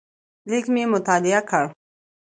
لږ مې مطالعه کړ.